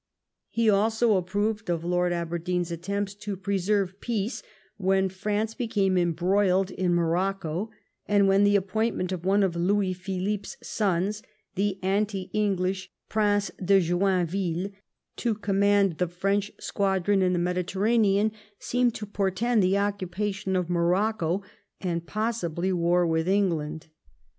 He also approved of Lord Aberdeen's attempts to pre serve peace when France became embroiled in Morocco, and when the appointment of one of Louis Philippe's sons, the anti English Prince de Joinville, to command the French squadron in the Mediterranean, seemed to portend the occupation of Morocco and possibly war with England.